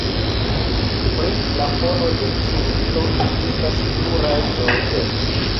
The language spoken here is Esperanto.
Pri la fono de tiu mito ekzistas pluraj teorioj.